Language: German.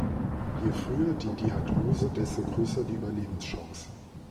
Je früher die Diagnose, desto größer die Überlebenschance.